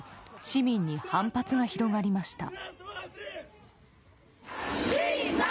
市民に反発が広がりました。